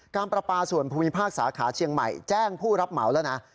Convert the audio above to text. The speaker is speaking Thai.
ประปาส่วนภูมิภาคสาขาเชียงใหม่แจ้งผู้รับเหมาแล้วนะ